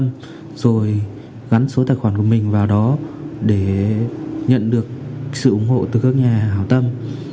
em đã nhận được số tiền từ các nhà hậu tâm rồi gắn số tài khoản của mình vào đó để nhận được sự ủng hộ từ các nhà hậu tâm